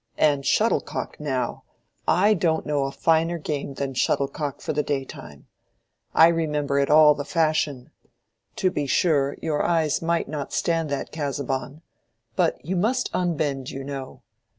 And shuttlecock, now—I don't know a finer game than shuttlecock for the daytime. I remember it all the fashion. To be sure, your eyes might not stand that, Casaubon. But you must unbend, you know.